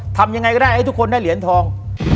ทำยังไงก็ได้ให้ทุกคนได้เหรียญทอง